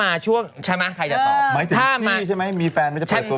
ไม่จะตอบนี่ใช่มั้ยมีแฟนไม่จะเปิดตัวไหมอ๋อโอเคไม่จะตอบนี่ใช่มั้ยมีแฟนไม่จะเปิดตัวไหม